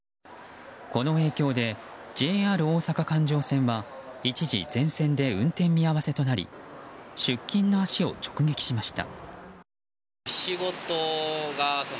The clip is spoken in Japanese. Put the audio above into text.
この影響でＪＲ大阪環状線は一時、全線で運転見合わせとなり出勤の足を直撃しました。